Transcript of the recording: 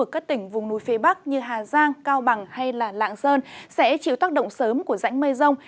các tỉnh vùng núi phía bắc như hà giang cao bằng hay lạng sơn sẽ chịu tác động sớm của rãnh mây rông